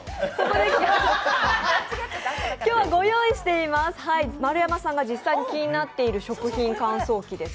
今日はご用意しています、丸山さんが実際に気になっている食品乾燥機です。